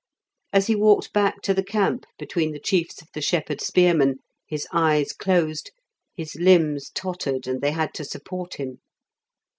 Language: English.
As he walked back to the camp between the chiefs of the shepherd spearmen, his eyes closed, his limbs tottered, and they had to support him.